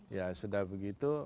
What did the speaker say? ya sudah begitu